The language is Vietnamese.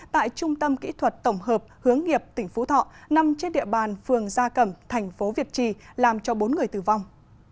tại trung tâm kỹ thuật tổng hợp hướng nghiệp tỉnh phú thọ nằm trên địa bàn phường gia cẩm thành phố việt trì làm cho bốn người tử vong